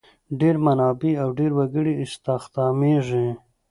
ډېر منابع او ډېر وګړي استخدامیږي.